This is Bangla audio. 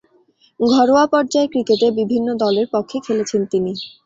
ঘরোয়া পর্যায়ের ক্রিকেটে বিভিন্ন দলের পক্ষে খেলেছেন তিনি।